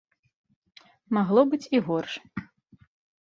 Магло быць і горш.